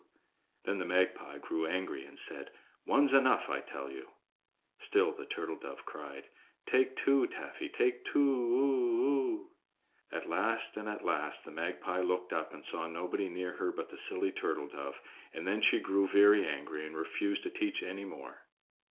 Then the Magpie grew angry and said: "One's enough, I tell you." Still the turtle dove cried: "Take two, Taffy, take two o o o." At last, and at last, the Magpie looked up and saw nobody near her but the silly turtle dove, and then she grew very angry and refused to teach any more.